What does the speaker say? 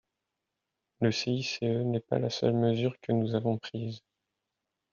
Le CICE n’est pas la seule mesure que nous avons prise.